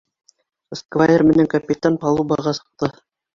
Сквайр менән капитан палубаға сыҡты.